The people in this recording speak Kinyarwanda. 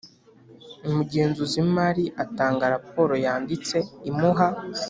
Umugenzuzi w imari atanga raporo yanditse imuha